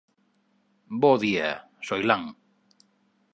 _Bo día, Soilán.